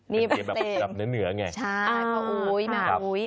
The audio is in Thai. นี่เปลี่ยนแบบจับเหนือไงใช่พ่ออุ๊ย